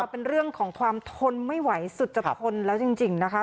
เป็นเรื่องของความทนไม่ไหวสุดจะทนแล้วจริงนะคะ